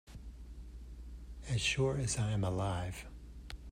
As sure as I am alive.